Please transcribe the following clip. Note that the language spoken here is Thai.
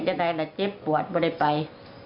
ไม่ยังเป็นไร